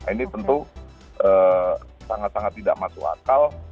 ini tentu sangat sangat tidak masuk akal